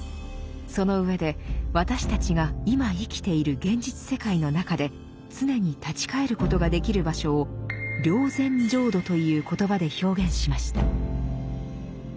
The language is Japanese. その上で私たちが今生きている現実世界の中で常に立ち返ることができる場所を「霊山浄土」という言葉で表現しました。